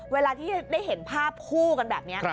เวลาที่ได้เห็นภาพคู่กันแบบนี้